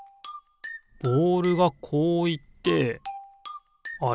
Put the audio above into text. ボールがこういってあれ？